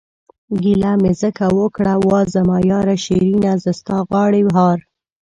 گيله مې ځکه اوکړه وا زما ياره شيرينه، زه ستا د غاړې هار...